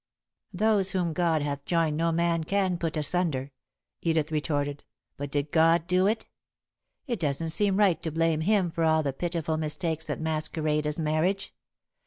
'" "Those whom God hath joined no man can put asunder," Edith retorted, "but did God do it? It doesn't seem right to blame Him for all the pitiful mistakes that masquerade as marriage.